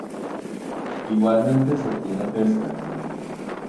Igualmente se obtiene pesca.